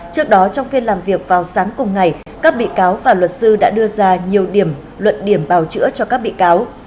trước đó trong phiên làm việc vào sáng cùng ngày các bị cáo và luật sư đã đưa ra nhiều điểm luận điểm bào chữa cho các bị cáo